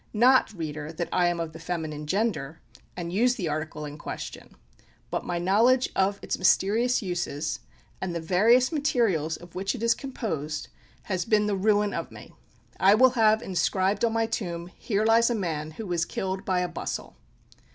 Not, reader, that I am of the feminine gender, and use the article in question; but my knowledge of its mysterious uses, and the various materials of which it is composed, has been the ruin of me. I will have inscribed on my tomb, "Here lies a man who was killed by a bustle!"